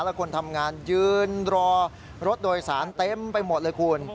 และคนทำงานยืนรอรถโดยสารเต็มไปหมดเลยคุณ